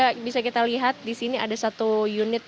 terusnya kita lihat di sini ada satu unit